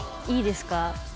いいですか？